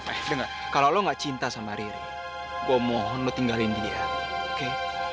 eh dengar kalau lo gak cinta sama riri gue mohon lo tinggalin dia oke